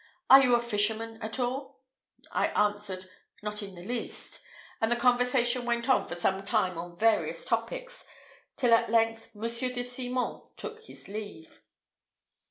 Are you a fisherman at all?" I answered, "Not in the least;" and the conversation went on for some time on various topics, till at length Monsieur de Simon took his leave.